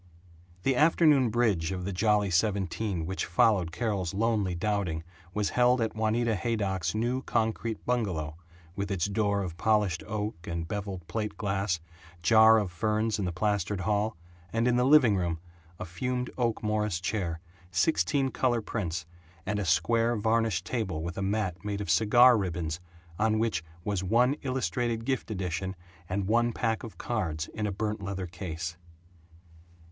The afternoon bridge of the Jolly Seventeen which followed Carol's lonely doubting was held at Juanita Haydock's new concrete bungalow, with its door of polished oak and beveled plate glass, jar of ferns in the plastered hall, and in the living room, a fumed oak Morris chair, sixteen color prints, and a square varnished table with a mat made of cigar ribbons on which was one Illustrated Gift Edition and one pack of cards in a burnt leather case.